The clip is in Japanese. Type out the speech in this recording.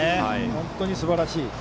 本当にすばらしい。